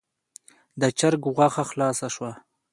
د چرګ غوښه خلاصه شوه.